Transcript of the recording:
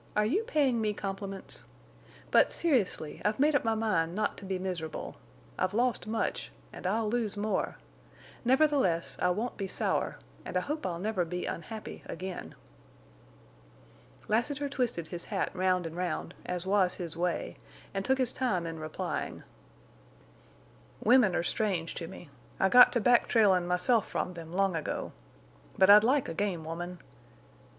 Are you paying me compliments? But, seriously I've made up my mind not to be miserable. I've lost much, and I'll lose more. Nevertheless, I won't be sour, and I hope I'll never be unhappy—again." Lassiter twisted his hat round and round, as was his way, and took his time in replying. "Women are strange to me. I got to back trailin' myself from them long ago. But I'd like a game woman.